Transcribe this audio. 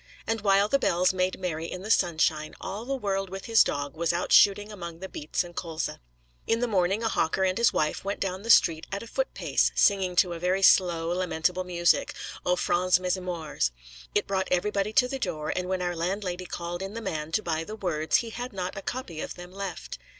And while the bells made merry in the sunshine, all the world with his dog was out shooting among the beets and colza. In the morning a hawker and his wife went down the street at a foot pace, singing to a very slow, lamentable music 'O France, mes amours.' It brought everybody to the door; and when our landlady called in the man to buy the words, he had not a copy of them left.